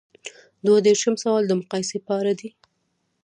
دوه دیرشم سوال د مقایسې په اړه دی.